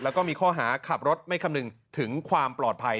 แล้วก็มีข้อหาขับรถไม่คำนึงถึงความปลอดภัย